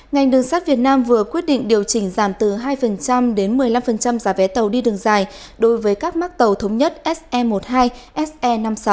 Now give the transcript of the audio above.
ngành đường sắt việt nam vừa quyết định điều chỉnh giảm từ hai đến một mươi năm giá vé tàu đi đường dài đối với các mắc tàu thống nhất se một mươi hai se năm mươi sáu